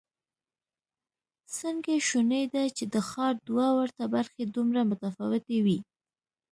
څنګه شونې ده چې د ښار دوه ورته برخې دومره متفاوتې وي؟